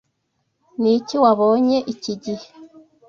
Niki wabonye iki gihe?